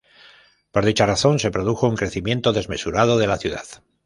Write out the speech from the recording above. Por dicha razón se produjo un crecimiento desmesurado de la ciudad.